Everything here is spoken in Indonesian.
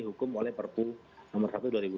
dihukum oleh perpu nomor satu dua ribu dua puluh